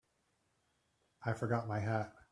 I forgot my hat.